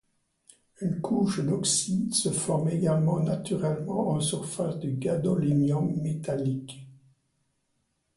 Une couche d'oxyde se forme également naturellement en surface du gadolinium métallique.